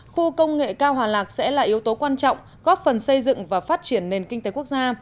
khu công nghệ cao hòa lạc sẽ là yếu tố quan trọng góp phần xây dựng và phát triển nền kinh tế quốc gia